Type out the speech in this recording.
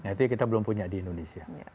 nah itu kita belum punya di indonesia